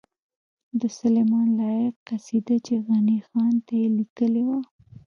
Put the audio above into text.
د سلیمان لایق قصیده چی غنی خان ته یی لیکلې وه